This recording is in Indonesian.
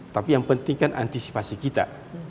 tapi yang penting kan antisipasi kita